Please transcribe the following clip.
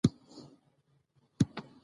له جبار سره مې لېږ څه خصوصي کار دى.